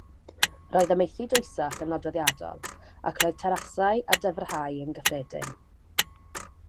Roedd amaethu dwysach yn nodweddiadol, ac roedd terasau a dyfrhau yn gyffredin.